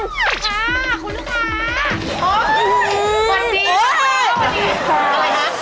สวัสดีครับสวัสดีครับ